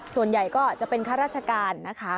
ส่วนใหญ่ก็จะเป็นข้าราชการนะคะ